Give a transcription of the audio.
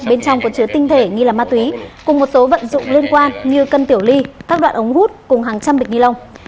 bên trong có chứa tinh thể nghi là ma túy cùng một số vận dụng liên quan như cân tiểu ly các đoạn ống hút cùng hàng trăm bịch ni lông